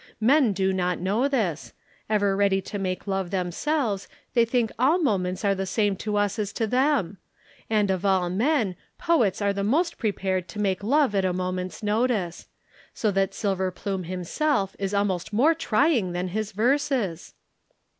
Men do not know this. Ever ready to make love themselves they think all moments are the same to us as to them. And of all men, poets are the most prepared to make love at a moment's notice. So that Silverplume himself is almost more trying than his verses."